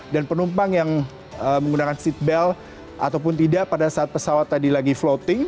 dan penumpang yang menggunakan seatbelt ataupun tidak pada saat pesawat tadi lagi floating